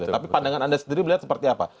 tapi pandangan anda sendiri melihat seperti apa